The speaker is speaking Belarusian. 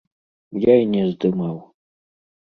Я і не здымаў.